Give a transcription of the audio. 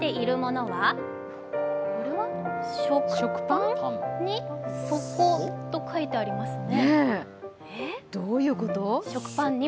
食パンに底と書いてありますね。